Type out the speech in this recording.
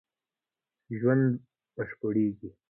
ژوند بشپړېږي